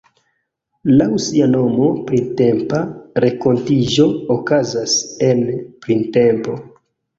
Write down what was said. Laŭ sia nomo, Printempa Renkontiĝo okazas en... printempo.